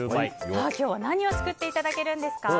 今日は何を作っていただけるんですか。